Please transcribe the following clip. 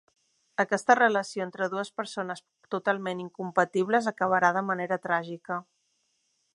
Aquesta relació entre dues persones totalment incompatibles acabarà de manera tràgica.